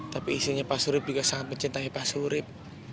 tapi isinya pak surip juga sangat mencintai pak surip